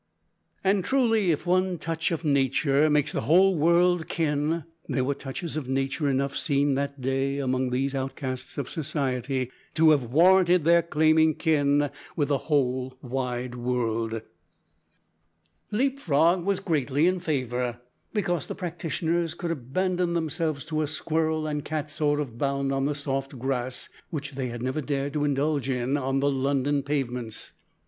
And, truly, if "one touch of nature makes the whole world kin," there were touches of nature enough seen that day among these outcasts of society to have warranted their claiming kin with the whole world. Leap frog was greatly in favour, because the practitioners could abandon themselves to a squirrel and cat sort of bound on the soft grass, which they had never dared to indulge in on the London pavements.